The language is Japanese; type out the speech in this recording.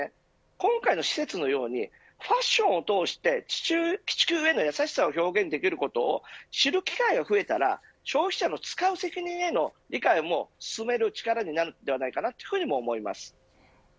今回の施設のようにファッションを通して地球への優しさを表現できることを知る機会が増えたら消費者のつかう責任への理解も進める力になるのではないかと思います。